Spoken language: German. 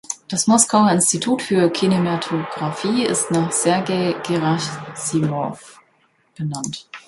Das Moskauer Institut für Kinematographie ist nach Sergei Gerassimow benannt.